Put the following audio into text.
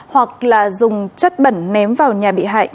hoặc là dùng chất bẩn ném vào nhà bị hại